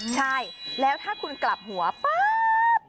ใช่แล้วถ้าคุณกลับหัวป๊าบ